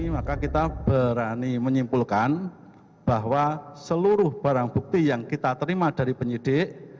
maka kita berani menyimpulkan bahwa seluruh barang bukti yang kita terima dari penyidik